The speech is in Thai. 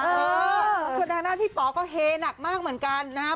ส่วนทางด้านพี่ป๋อก็เฮหนักมากเหมือนกันนะครับ